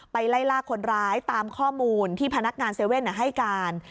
ไล่ล่าคนร้ายตามข้อมูลที่พนักงาน๗๑๑ให้การ